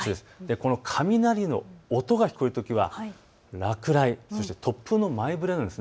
この雷の音が聞こえるときは落雷、そして突風の前触れなんです。